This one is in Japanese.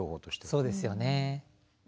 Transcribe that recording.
そうですよね。